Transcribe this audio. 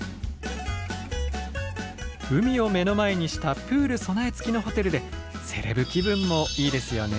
海を目の前にしたプール備え付きのホテルでセレブ気分もいいですよね。